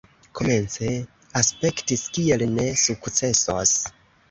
Komence aspektis kiel ne sukcesos